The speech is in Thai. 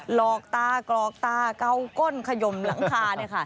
หลอกตากรอกตาเกาก้นขยมหลังคา